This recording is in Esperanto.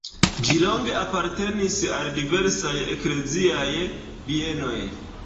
Ĝi longe apartenis al diversaj ekleziaj bienoj.